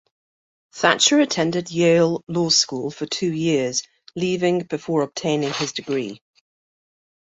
Thacher attended Yale Law School for two years, leaving before obtaining his degree.